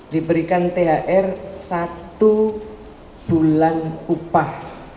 diberikan thr satu bulan upah